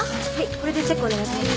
これでチェックお願いします。